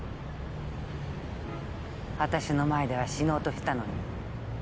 わたしの前では死のうとしたのに。